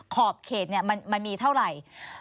ขอบเขตมันมีเท่าไหร่